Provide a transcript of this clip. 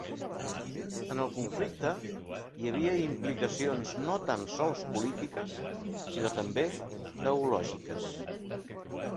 En el conflicte, hi havia implicacions no tan sols polítiques, sinó també teològiques.